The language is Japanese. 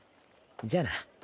じゃあな。